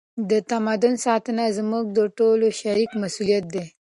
د تمدن ساتنه زموږ د ټولو شریک مسؤلیت دی.